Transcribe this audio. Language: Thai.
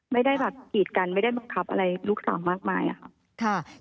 ไม่ได้แบบกีดกันไม่ได้บังคับอะไรลูกสาวมากมายค่ะ